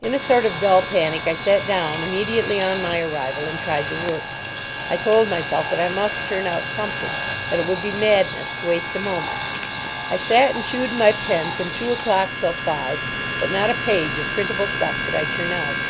In a sort of dull panic I sat down immediately on my arrival, and tried to work. I told myself that I must turn out something, that it would be madness to waste a moment. I sat and chewed my pen from two o'clock till five, but not a page of printable stuff could I turn out.